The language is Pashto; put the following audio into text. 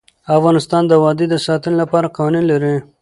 افغانستان د وادي د ساتنې لپاره قوانین لري.